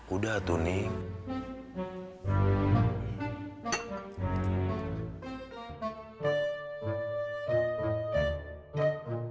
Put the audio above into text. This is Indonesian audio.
udah tuh nining